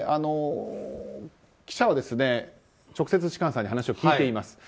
記者は直接、芝翫さんに話を聞いています。